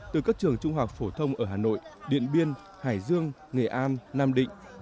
từ các trường trung học phổ thông ở hà nội điện biên hải dương nghệ an nam định